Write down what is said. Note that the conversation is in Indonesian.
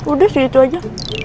udah segitu aja